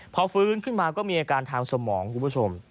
พอฟื้นขึ้นมาก็มีอาการทางสมองคุณผู้ชม